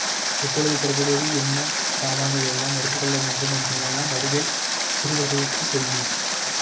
எப்பொழுது புறப்படுவது, என்ன சாமான்கள் எல்லாம் எடுத்துக்கொள்ள வேண்டும் என்றெல்லாம் வடிவேல் சிறுவர்களுக்குச் சொல்லிக் கொண்டிருந்தார்.